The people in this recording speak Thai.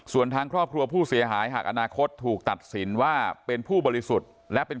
ส่วนทางครอบครัวผู้เสียหายหากอนาคตถูกตัดสินว่าเป็นผู้บริสุทธิ์และเป็น